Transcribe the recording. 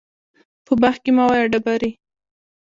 په باغ کې مه وله ډبري